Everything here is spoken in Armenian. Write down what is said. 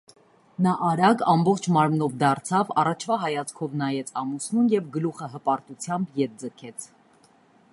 Նա արագ ամբողջ մարմնով դարձավ, առաջվա հայացքով նայեց ամուսնուն և գլուխը հպարտությամբ ետ ձգեց: